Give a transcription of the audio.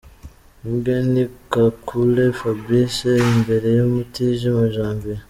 Mugheni Kakule Fabrice imbere ya Mutijima Janvier.